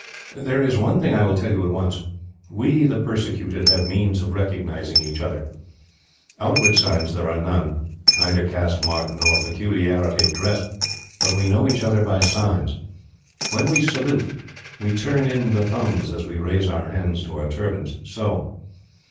"There is one thing I will tell you at once. We, the persecuted, have means of recognising each other. Outward signs there are none, neither caste mark nor peculiarity of dress; but we know each other by signs. When we salute, we turn in the thumbs as we raise our hands to our turbans so.